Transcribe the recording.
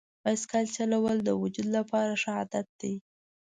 بایسکل چلول د وجود لپاره ښه عادت دی.